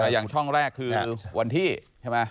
อย่างช่องแรกคือวันที่ใช่ไหม